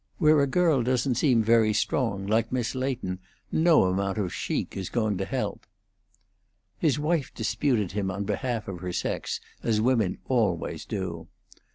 Where a girl doesn't seem very strong, like Miss Leighton, no amount of chic is going to help." His wife disputed him on behalf of her sex, as women always do.